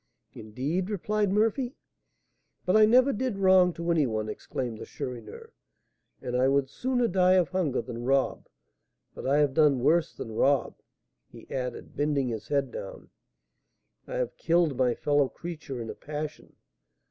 "Indeed!" replied Murphy. "But I never did wrong to any one," exclaimed the Chourineur; "and I would sooner die of hunger than rob; but I have done worse than rob," he added, bending his head down; "I have killed my fellow creature in a passion.